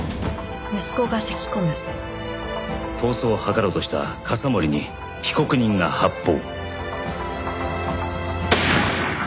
逃走を図ろうとした笠森に被告人が発砲。